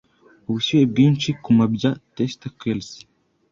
Ubushyuhe bwinshi ku mabya Testicules